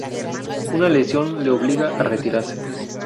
Una lesión le obligó a retirarse.